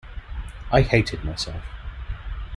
I hated myself.